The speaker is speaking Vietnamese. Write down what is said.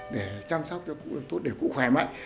để chăm sóc cho cụ được tốt để cụ khỏe mạnh